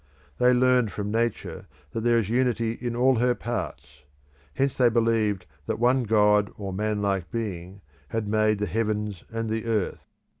They learnt from Nature that there is unity in all her parts; hence they believed that one god or man like being had made the heavens and the earth.